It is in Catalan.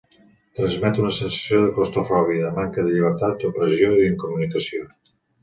Transmet una sensació de claustrofòbia, de manca de llibertat, d'opressió i d'incomunicació.